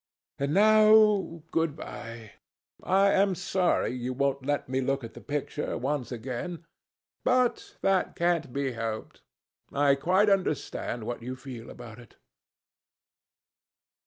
"And now good bye. I am sorry you won't let me look at the picture once again. But that can't be helped. I quite understand what you feel about it."